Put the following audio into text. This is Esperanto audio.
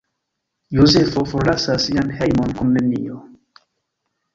Jozefo forlasas sian hejmon kun nenio.